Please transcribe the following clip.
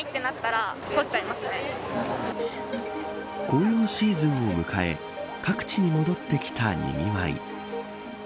紅葉シーズンを迎え各地に戻ってきた、にぎわい。